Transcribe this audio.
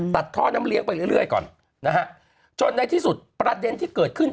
ตัดท่อน้ำเลี้ยงไปเรื่อยก่อนนะฮะจนในที่สุดประเด็นที่เกิดขึ้น